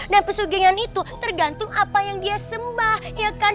nah kesugingan itu tergantung apa yang dia sembah ya kan